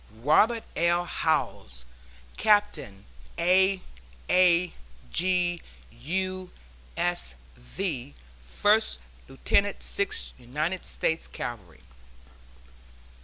ROBERT L. HOWZE, Captain A. A. G., U. S. V. (First Lieutenant Sixth United States Cavalry.)